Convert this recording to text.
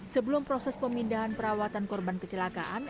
sebelum proses pemindahan perawatan korban kecelakaan